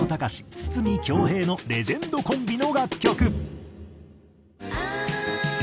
筒美京平のレジェンドコンビの楽曲。